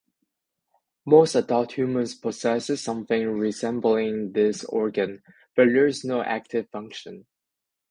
Most adult humans possess something resembling this organ, but there is no active function.